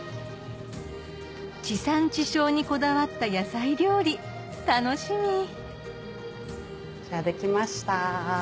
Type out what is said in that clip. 地産地消にこだわった野菜料理楽しみ出来ました。